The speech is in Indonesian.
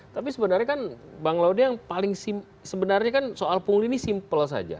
tapi sebenarnya kan bang laude yang paling sebenarnya kan soal pungli ini simpel saja